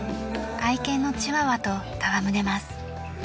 愛犬のチワワと戯れます。